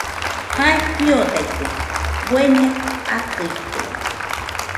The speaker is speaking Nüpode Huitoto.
Jae fiodaite bueñe atɨite